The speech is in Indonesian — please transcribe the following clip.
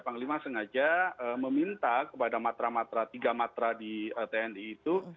panglima sengaja meminta kepada matra matra tiga matra di tni itu